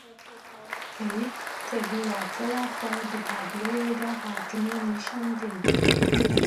peyv tevî wateya xwe di tabloyê da hatine nîşandan.